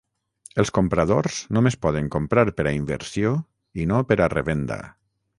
Els compradors només poden comprar per a inversió i no per a revenda.